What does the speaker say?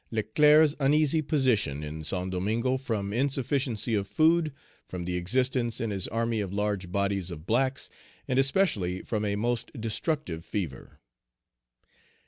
Leclerc's uneasy position in Saint Domingo from insufficiency of food, from the existence in his army of large bodies of blacks, and especially from a most destructive fever.